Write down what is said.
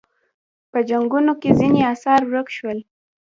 په جنګونو کې ځینې اثار ورک شول